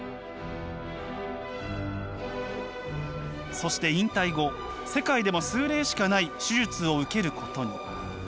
そして引退後世界でも数例しかない手術を受けることに。